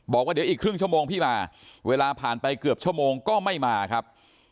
บอกว่าเดี๋ยวอีกครึ่งชั่วโมงพี่มาเวลาผ่านไปเกือบชั่วโมงก็ไม่มาครับ